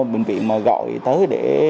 bệnh viện mà gọi tới để